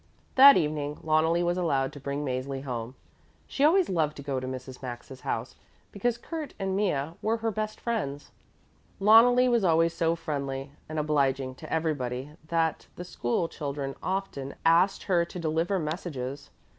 That evening Loneli was allowed to bring Mäzli home. She always loved to go to Mrs. Maxa's house, because Kurt and Mea were her best friends. Loneli was always so friendly and obliging to everybody that the school children often asked her to deliver messages.